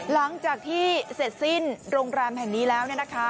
หลังจากที่เสร็จสิ้นโรงแรมแห่งนี้แล้ว